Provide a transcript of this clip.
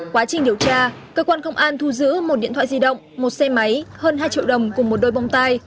quá trình điều tra cơ quan công an thu giữ một điện thoại di động một xe máy hơn hai triệu đồng cùng một đôi bông tai